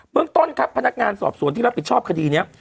เมืองต้นครับพนักงานสอบสวนที่รับผิดชอบคดีนี้